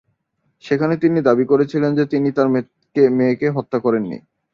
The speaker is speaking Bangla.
সেখানে তিনি দাবি করেছিলেন যে তিনি তার মেয়েকে হত্যা করেননি।